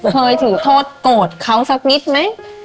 เคยถึงโทษกดเขาสักนิดมั้ย